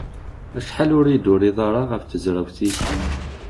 Acḥal ur iyi-d-turiḍ ɣef tezrawt-ik?